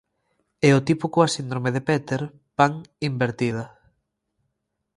E o tipo coa síndrome de Peter Pan invertida: